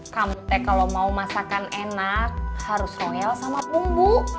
kamu teh kalo mau masakan enak harus royal sama bumbu